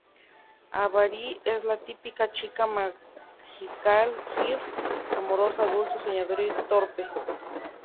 Hibari es la típica chica Magical Girl, amorosa, dulce, soñadora y torpe.